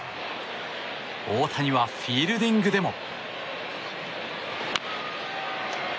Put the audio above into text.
大谷はフィールディングでも。